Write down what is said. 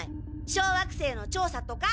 小惑星の調査とか。